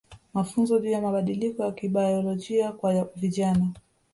Mafunzo juu ya mabadiliko ya kibayolojia kwa vijana